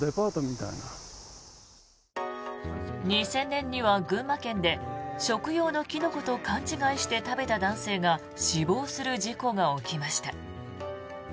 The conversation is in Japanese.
２０００年には群馬県で食用のキノコと勘違いして食べた男性が死亡する事故が起きました。